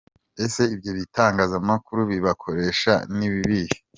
Ese ibyo bitangazamakuru bibakoresha ni ibihe ?